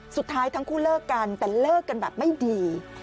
สุดท้ายทั้งคู่เลิกกันแต่เลิกกันแบบไม่ดี